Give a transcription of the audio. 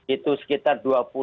itu sekitar dua puluh